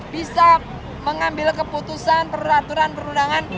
bisa mengambil keputusan peraturan perundangan